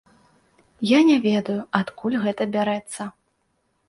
Я не ведаю, адкуль гэта бярэцца.